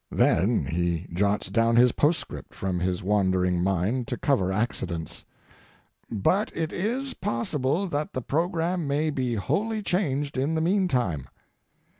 Then he jots down his postscript from his wandering mind, to cover accidents. "But it is possible that the programme may be wholly changed in the mean time."